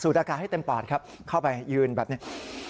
อากาศให้เต็มปอดครับเข้าไปยืนแบบนี้